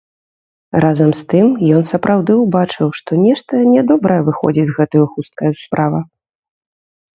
Разам з тым ён сапраўды ўбачыў, што нешта нядобрая выходзіць з гэтаю хусткаю справа.